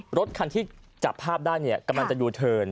คือรถคันที่จับภาพได้กำลังจะอยู่เทิน